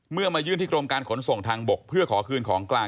มายื่นที่กรมการขนส่งทางบกเพื่อขอคืนของกลาง